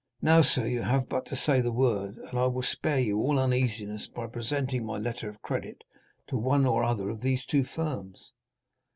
Now, sir, you have but to say the word, and I will spare you all uneasiness by presenting my letter of credit to one or other of these two firms."